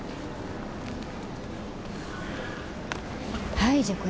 はいじゃあこれ。